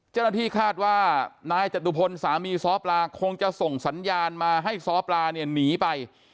เจ้าหน้าที่คาดว่านายจตุพลสามีซ้อปลาคงจะส่งสัญญาณมาให้ซ้อปลาเนี่ยหนีไป